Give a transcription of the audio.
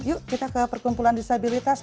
yuk kita ke perkumpulan disabilitas